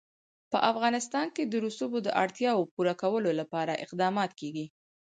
په افغانستان کې د رسوب د اړتیاوو پوره کولو لپاره اقدامات کېږي.